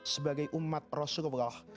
sebagai umat rasulullah